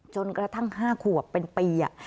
จนกระทั่ง๕ขวบเป็นปี